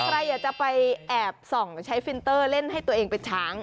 ใครอยากจะไปแอบส่องใช้ฟินเตอร์เล่นให้ตัวเองเป็นช้าง